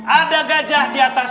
anda gajah di atas